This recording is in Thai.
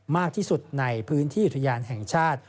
มากที่สุดในพื้นที่อุทยานแห่งชาติ